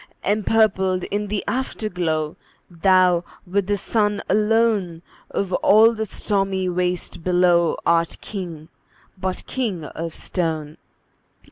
Empurpled in the Afterglow, Thou, with the Sun alone, Of all the stormy waste below, Art King, but king of stone!